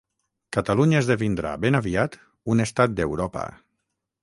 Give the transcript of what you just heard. Catalunya esdevindrà ben aviat un estat d'Europa